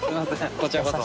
こちらこそ。